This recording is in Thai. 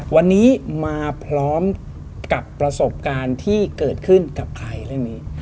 วันนี้มาพร้อมกับประสบการณ์ที่เกิดขึ้นกับใครเรื่องนี้